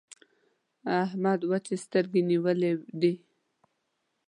احمد وچې سترګې نيولې دي.